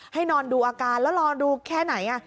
ให้นอนดูอาการแล้วรอดูแค่ไหน